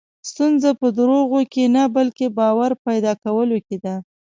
ستونزه په دروغو کې نه، بلکې باور پیدا کولو کې ده.